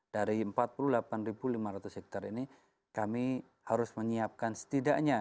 dari empat puluh delapan lima ratus hektare ini kami harus menyiapkan setidaknya